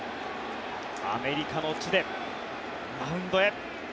アメリカの地でマウンドへ。